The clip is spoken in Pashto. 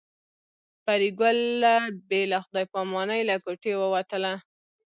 پري ګله بې له خدای په امانۍ له کوټې ووتله